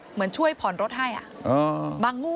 เหมือนช่วยผ่อนรถให้